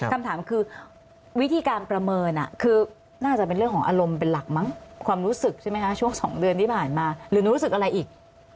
คำถามคือวิธีการประเมินคือน่าจะเป็นเรื่องของอารมณ์เป็นหลักมั้งความรู้สึกใช่ไหมคะช่วง๒เดือนที่ผ่านมาหรือหนูรู้สึกอะไรอีก